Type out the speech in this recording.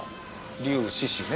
竜獅子ね。